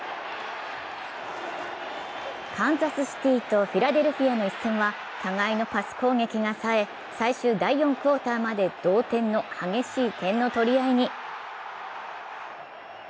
カンザスシティとフィラデルフィアの一戦は互いのパス攻撃がさえ、最終第４クオータまで同点の激しい点の取り合いに。